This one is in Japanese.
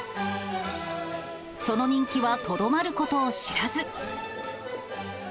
その人気はとどまることを知らず。